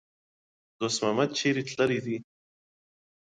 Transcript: دښتې مه خرابوه.